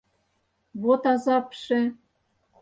Вот азапше!